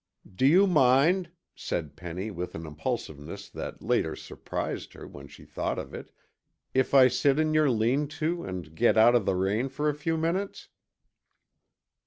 "Do you mind," said Penny with an impulsiveness that later surprised her when she thought of it, "if I sit in your lean to and get out of the rain for a few minutes?"